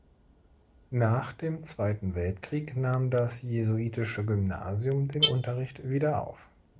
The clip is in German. Nach dem Zweiten Weltkrieg nahm das jesuitische Gymnasium den Unterricht wieder auf.